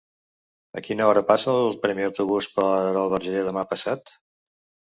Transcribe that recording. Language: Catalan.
A quina hora passa el primer autobús per el Verger demà passat?